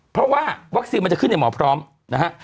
เพราะว่าวัคซีนมันจะขึ้นในหมอพร้อมนะฮะ